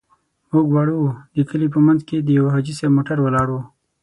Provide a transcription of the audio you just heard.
موږ واړه وو، د کلي په منځ کې د يوه حاجي موټر ولاړ و.